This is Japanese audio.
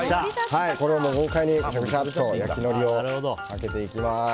これも豪快にぐしゃぐしゃと焼きのりをかけていきます。